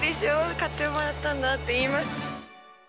買ってもらったんだって言います。